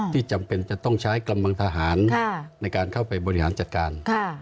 จำเป็นจะต้องใช้กำลังทหารในการเข้าไปบริหารจัดการ